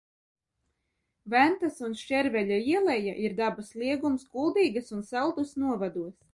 Ventas un Šķerveļa ieleja ir dabas liegums Kuldīgas un Saldus novados.